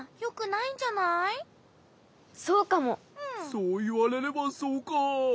そういわれればそうか。